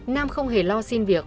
nam không hề lo xin việc